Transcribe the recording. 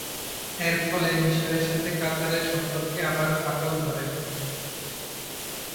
এর ফলে মিশরের সাথে কাতারের সম্পর্কে আবারও ফাটল ধরে।